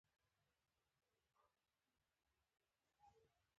مېلمانۀ د کوربنو زيات وو ـ